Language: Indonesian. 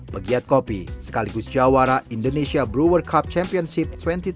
pegiat kopi sekaligus jawara indonesia brower cup championship dua ribu dua puluh